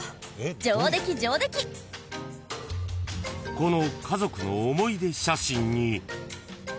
［この家族の思い出写真に］